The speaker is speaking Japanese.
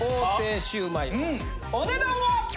お値段は！